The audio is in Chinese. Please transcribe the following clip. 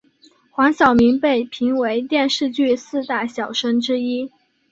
黄晓明被评为电视剧四大小生之一。